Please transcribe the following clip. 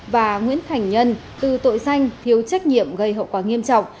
và nguyễn thành nhân từ tội danh thiếu trách nhiệm gây hậu quả nghiêm trọng